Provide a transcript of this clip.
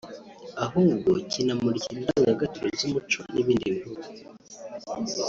ahubwo kinamurikira indangagaciro z’umuco n’ibindi bihugu”